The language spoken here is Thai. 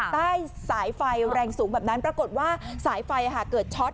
ใต้สายไฟแรงสูงแบบนั้นปรากฏว่าสายไฟเกิดช็อต